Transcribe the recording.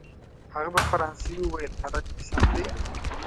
هغه په فرانسوي وویل: حالت دی سم دی؟